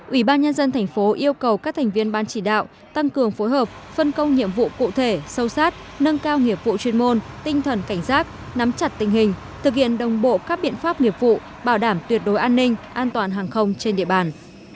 ủy ban nhân dân thành phố yêu cầu các thành viên ban chỉ đạo tăng cường phối hợp phân công nhiệm vụ cụ thể sâu sát nâng cao nghiệp vụ chuyên môn tinh thần cảnh giác nắm chặt tình hình thực hiện đồng bộ các biện pháp nghiệp vụ bảo đảm tuyệt đối an ninh an toàn hàng không trên địa bàn